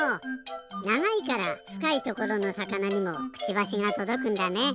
ながいからふかいところのさかなにもクチバシがとどくんだね。